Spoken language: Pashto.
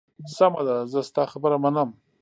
سمه ده، زه ستا خبره منم.